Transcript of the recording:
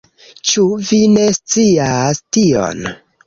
Ĉu vi ne scias tion?